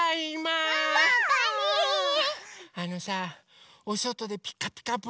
あのさおそとで「ピカピカブ！」